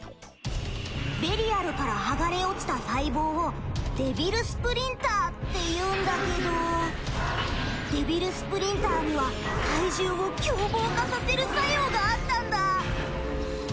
ベリアルから剥がれ落ちた細胞をデビルスプリンターって言うんだけどデビルスプリンターには怪獣を凶暴化させる作用があったんだ。